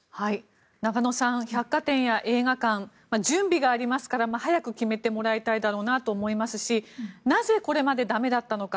中野さん百貨店や映画館準備がありますから早く決めてもらいたいだろうなと思いますしなぜ、これまで駄目だったのか。